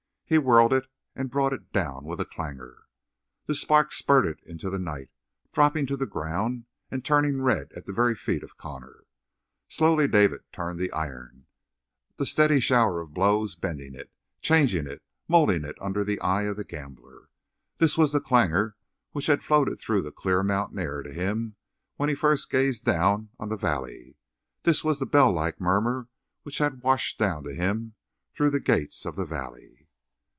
He whirled it and brought it down with a clangor. The sparks spurted into the night, dropping to the ground and turning red at the very feet of Connor. Slowly David turned the iron, the steady shower of blows bending it, changing it, molding it under the eye of the gambler. This was that clangor which had floated through the clear mountain air to him when he first gazed down on the valley; this was the bell like murmur which had washed down to him through the gates of the valley.